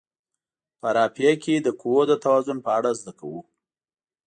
په رافعه کې د قوو د توازن په اړه زده کوو.